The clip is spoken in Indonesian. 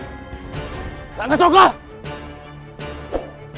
dan dia akan menerima kudamatanya